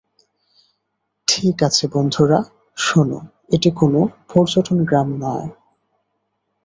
ঠিক আছে, বন্ধুরা, শোন, এটি কোন পর্যটন গ্রাম নয়।